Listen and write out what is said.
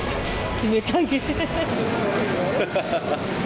冷たい。